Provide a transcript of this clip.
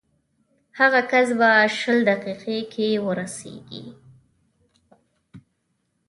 هغه کس به شل دقیقو کې ورسېږي.